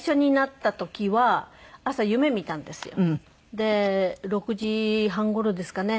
で６時半頃ですかね。